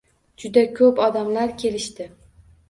Juda ko’p odamlar kelishdi.